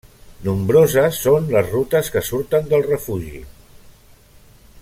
Nombroses són les rutes que surten del refugi.